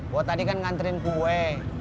gua tadi kan ngantriin buwe